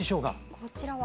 こちらは？